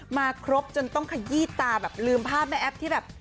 มาครบจนต้องขยี้ตาแบบลืมภาพแม่แอ๊บที่แบบ